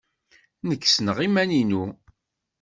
Nekk ssneɣ iman-inu.